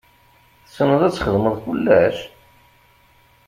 Tessneḍ ad txedmeḍ kullec?